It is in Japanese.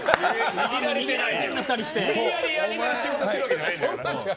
無理やり嫌な仕事しているわけじゃないから。